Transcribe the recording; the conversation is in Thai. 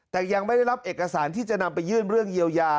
แต่ยังไม่ได้รับเอกสารที่จะนำไปยื่นเรื่องเยียวยา